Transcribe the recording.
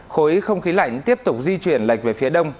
khối không khí lạnh tiếp tục di chuyển lệch về phía đông